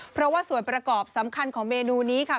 เพราะว่าส่วนประกอบสำคัญของเมนูนี้ค่ะ